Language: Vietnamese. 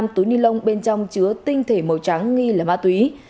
năm túi nilon bên trong chứa tinh thể màu trắng nghi là ma túy